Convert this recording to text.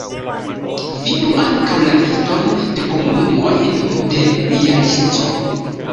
Vidu ankaŭ la liston de komunumoj de Jalisco.